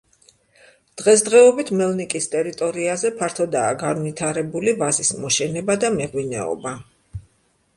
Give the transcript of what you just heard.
დღესდღეობით მელნიკის ტერიტორიაზე ფართოდაა განვითარებული ვაზის მოშენება და მეღვინეობა.